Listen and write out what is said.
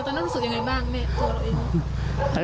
ตอนนั้นรู้สึกยังไงบ้างแม่ตัวตัวเอง